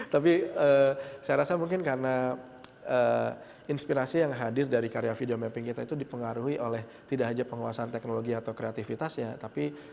tapi saya rasa mungkin karena inspirasi yang hadir dari karya video mapping kita itu dipengaruhi oleh tidak hanya penguasaan teknologi atau kreativitasnya tapi